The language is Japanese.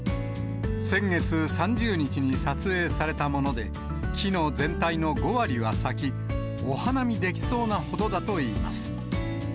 先月３０日に撮影されたもので、木の全体の５割は咲き、お花見できそうなほどだといいます。